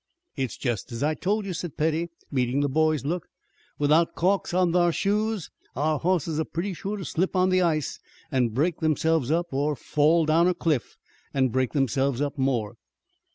"It's jest as I told you," said Petty, meeting the boy's look. "Without calks on thar shoes our hosses are pretty shore to slip on the ice and break theirselves up, or fall down a cliff an' break themselves up more."